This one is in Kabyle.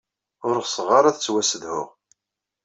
Ur ɣseɣ ara ad ttwassedhuɣ.